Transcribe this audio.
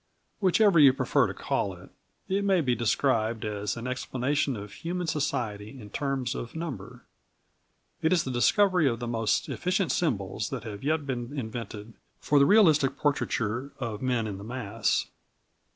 Whichever you prefer to call it, it may be described as an explanation of human society in terms of number. It is the discovery of the most efficient symbols that have yet been invented for the realistic portraiture of men in the mass.